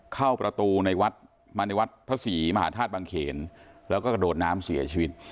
เข้าประตูในวัดมาในวัดพระศรีมหาธาตุบังเขนแล้วก็กระโดดน้ำเสียชีวิต